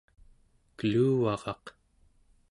keluvaraq